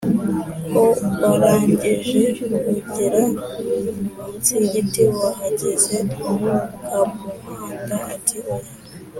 ko warangije kugera munsi y’igiti. Wahageze?” Kamuhanda ati: “Oya